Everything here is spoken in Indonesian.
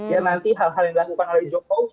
ya nanti hal hal yang dilakukan oleh jokowi